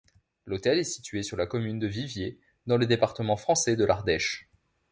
L'hôtel est situé sur la commune de Viviers, dans le département français de l'Ardèche.